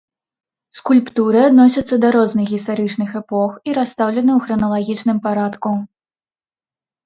Скульптуры адносяцца да розных гістарычных эпох і расстаўлены ў храналагічным парадку.